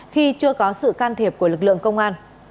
khi chưa có sự can thiệp của lực lượng công an